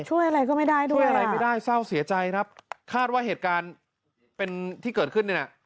ช่วยอะไรก็ไม่ได้ด้วยช่วยอะไรไม่ได้เศร้าเสียใจครับคาดว่าเหตุการณ์เป็นที่เกิดขึ้นนี่แหละ